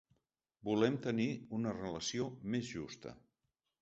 Volem tenir una relació més justa.